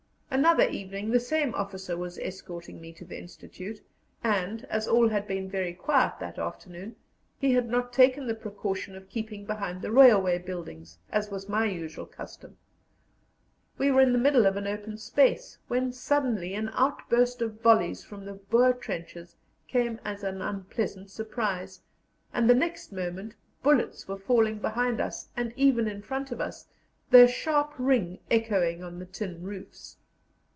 Another evening the same officer was escorting me to the institute, and, as all had been very quiet that afternoon, we had not taken the precaution of keeping behind the railway buildings, as was my usual custom. We were in the middle of an open space, when suddenly an outburst of volleys from the Boer trenches came as an unpleasant surprise, and the next moment bullets were falling behind us and even in front of us, their sharp ring echoing on the tin roofs.